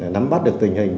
nắm bắt được tình hình